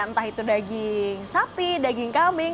entah itu daging sapi daging kambing